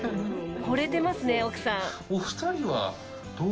ほれてますね奥さん。